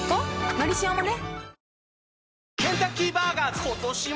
「のりしお」もね